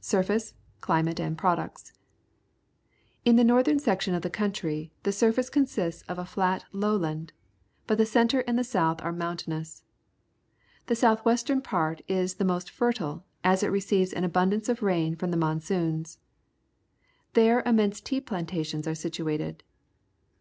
Surface, CUmate, and Products. — In the northern section of the country the surface consists of a flat lowland, but the centre and the south are mountainous. The south western part is the most fertile, as it receives an abundance of rain from the monsoons. There immense tea plantations are situated.